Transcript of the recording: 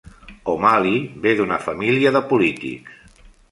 O'Malley ve d'una família de polítics.